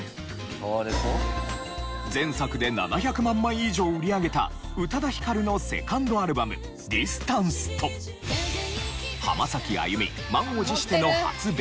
前作で７００万枚以上売り上げた宇多田ヒカルのセカンドアルバム『Ｄｉｓｔａｎｃｅ』と浜崎あゆみ満を持しての初ベストアルバム『ＢＥＳＴ』。